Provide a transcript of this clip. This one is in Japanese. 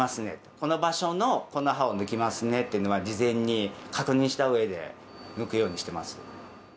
この場所のこの歯を抜きますねっていうのは、事前に確認したうえで抜くようにしてます。